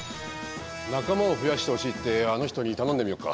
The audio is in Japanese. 仲間を増やしてほしいってあの人に頼んでみようか。